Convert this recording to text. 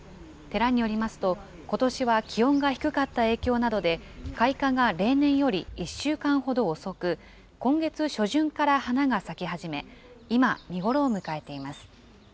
寺によりますと、ことしは気温が低かった影響などで、開花が例年より１週間ほど遅く、今月初旬から花が咲き始め、今、見頃を迎えています。